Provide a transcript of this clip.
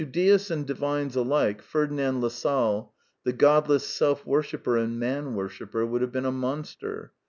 ^ To deists and divines alike Ferdinand Lassalle, the godless self worshipper and man worshipper, would have been a monster.